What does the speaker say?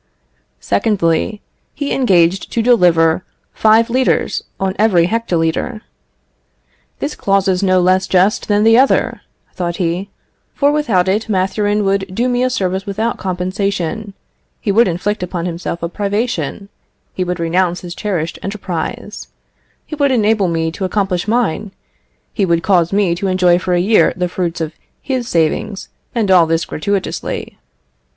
Secondly He engaged to deliver five litres on every hectolitre. "This clause is no less just than the other," thought he; "for without it Mathurin would do me a service without compensation; he would inflict upon himself a privation he would renounce his cherished enterprise he would enable me to accomplish mine he would cause me to enjoy for a year the fruits of his savings, and all this gratuitously.